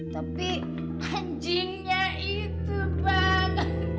tapi anjingnya itu bang